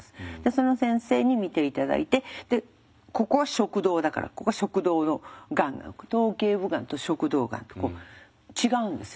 その先生に診て頂いてでここは食道だからここは食道のがんが頭頸部がんと食道がんと違うんですよね。